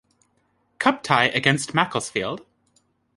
Cup tie against Macclesfield.